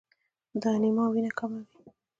د انیمیا وینه کموي.